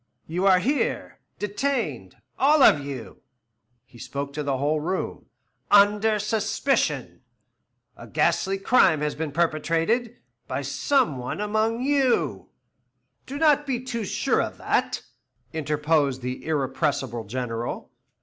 You are here, detained all of you" he spoke to the whole room "under suspicion. A ghastly crime has been perpetrated by some one among you " "Do not be too sure of that," interposed the irrepressible General.